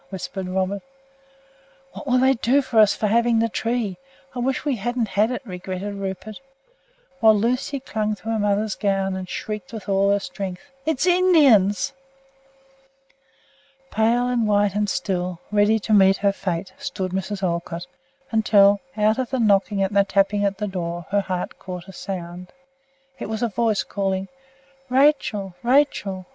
whispered Robert. "What will they do to us for having the tree? I wish we hadn't it," regretted Rupert; while Lucy clung to her mother's gown and shrieked with all her strength, "It's Indians!" Pale and white and still, ready to meet her fate, stood Mrs. Olcott, until, out of the knocking and the tapping at her door, her heart caught a sound. It was a voice calling, "Rachel! Rachel!